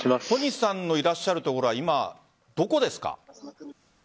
小西さんのいらっしゃるところは今どこですか？